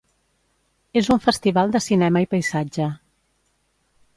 És un festival de cinema i paisatge.